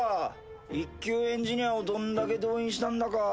一級エンジニアをどんだけ動員したんだか。